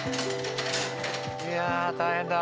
いやあ大変だ！